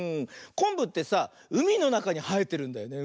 こんぶってさうみのなかにはえてるんだよね。